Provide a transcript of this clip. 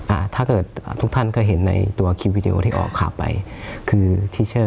อ่าถ้าเกิดอ่าทุกท่านก็เห็นในตัวที่ออกขาไปคือ